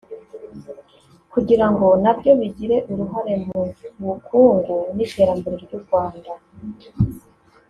kugira ngo nabyo bigire uruhare mu bukungu n’iterambere ry’u Rwanda